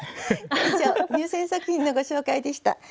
以上入選作品のご紹介でした。